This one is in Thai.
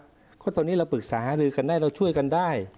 เพราะตอนนี้เราปรึกษาหารือกันได้เราช่วยกันได้